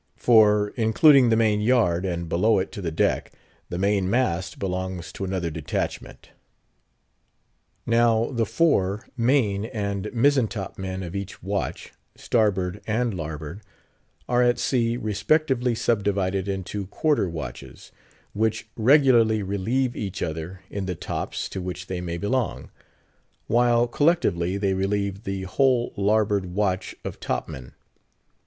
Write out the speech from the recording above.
For, including the main yard, and below it to the deck, the main mast belongs to another detachment. Now the fore, main, and mizen top men of each watch—Starboard and Larboard—are at sea respectively subdivided into Quarter Watches; which regularly relieve each other in the tops to which they may belong; while, collectively, they relieve the whole Larboard Watch of top men.